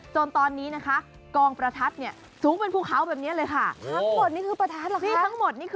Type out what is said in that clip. จนตอนนี้